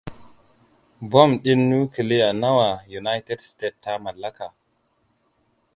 Bom ɗin nukiliya nawa United State ta mallaka?